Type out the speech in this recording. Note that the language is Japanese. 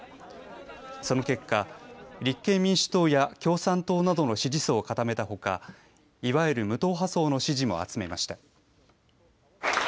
その結果、立憲民主党や共産党などの支持層を固めたほか、いわゆる無党派層の支持も集めました。